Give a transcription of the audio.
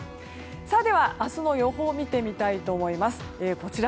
では、明日の予報見てみたいと思います。